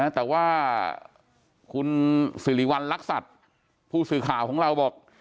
แต่ว่าคุณสิริวัณรักษัตริย์ผู้สื่อข่าวของเราบอก